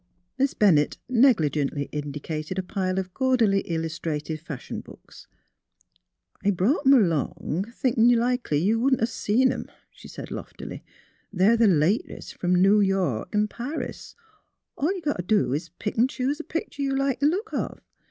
Miss Bennett negligently indicated a pile of gaudily illustrated fashion books. " I brought 'em along thinkin' likely you wouldn't 'a' seen 'em," she said, loftily. '^ They're the latest f'om Noo York an' Paris: all you got 't do is t' pick an' choose the pictur' you like th' looks of.